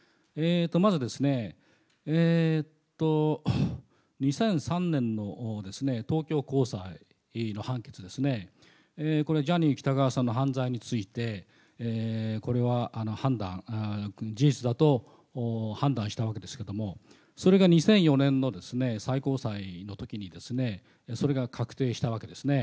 まず、２００３年の東京高裁の判決ですね、これ、ジャニー喜多川さんの犯罪について、これは判断、事実だと判断したわけですけれども、それが２００４年の最高裁のときにですね、それが確定したわけですね。